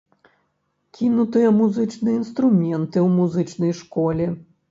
Кінутыя музычныя інструменты ў музычнай школе.